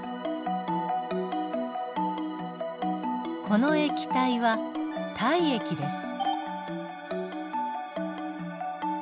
この液体は体液です。